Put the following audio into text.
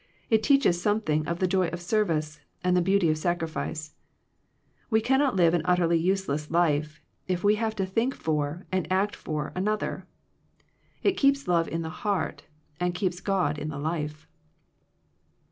It teaches something of the joy of service, and the beauty of sacrifice. We cannot live an utterly use less Hfe, if we have to think for, and act for, another. It keeps love in the heart, and keeps God in the life.